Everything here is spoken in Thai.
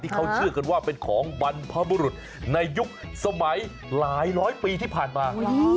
เขาเชื่อกันว่าเป็นของบรรพบุรุษในยุคสมัยหลายร้อยปีที่ผ่านมา